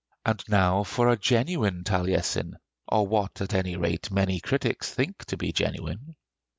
And now for a genuine Taliesin, or what at any rate many critics think to be genuine.